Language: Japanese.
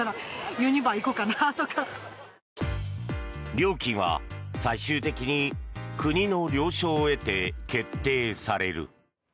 料金は最終的に国の了承を得て決定される。